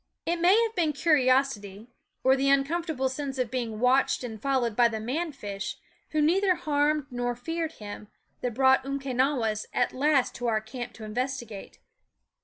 It may have been curiosity, or the uncom fortable sense of being watched and followed by the man fish, who neither harmed nor feared him, that brought Umque nawis at last to our camp to investigate.